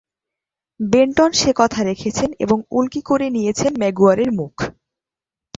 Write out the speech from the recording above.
Benton সে কথা রেখেছেন এবং উল্কি করে নিয়েছেন ম্যাগুয়ারের মুখ।